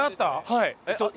はい。